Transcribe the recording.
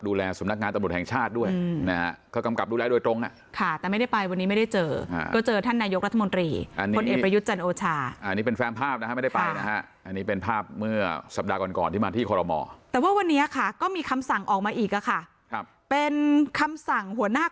ดูแลด้วยตรงแต่ไม่ได้ไปวันนี้ไม่ได้เจอก็เจอท่านนายกรัฐมนตรีพลเอกประยุทธจนโอชาอันนี้เป็นแฟมภาพไม่ได้ไปอันนี้เป็นภาพเมื่อสัปดาห์ก่อนที่มาที่คสละหมอแต่ว่าวันนี้ค่าก็มีคำสั่งออกมาอีกค่ะเป็น